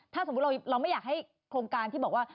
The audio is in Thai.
ถ้าสมมุติเราไม่อยากให้โครงการที่บอกว่า